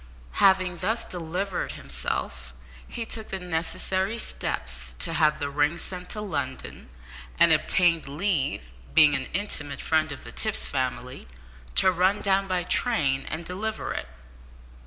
Having thus delivered himself, he took the necessary steps to have the ring sent to London, and obtained leave (being an intimate friend of the Tipps family) to run down by train and deliver it.